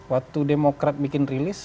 waktu demokrat bikin rilis